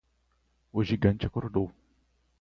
O gigante acordou